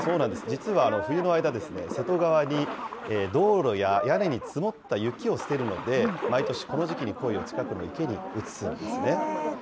実は冬の間、瀬戸川に道路や屋根に積もった雪を捨てるので、毎年この時期にコイを近くの池に移すんですね。